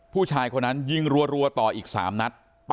ผู้ชายคนนั้นยิงรัวต่ออีก๓นัด